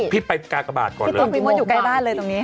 พี่ออกไปการ์กาบาทก่อนเลย